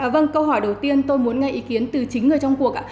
vâng câu hỏi đầu tiên tôi muốn nghe ý kiến từ chính người trong cuộc ạ